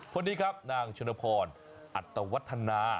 คนนี้ครับนางชนพรอัตวัฒนา